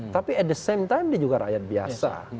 tapi di saat yang sama dia juga rakyat biasa